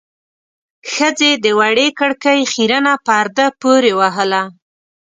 ښځې د وړې کړکۍ خيرنه پرده پورې وهله.